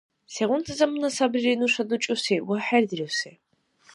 Сегъунси замана сабри нуша дучӀуси ва хӀердируси?